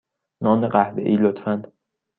نان قهوه ای، لطفا.